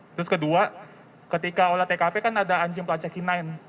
terus kedua ketika olah tkp kan ada anjing pelacak hinain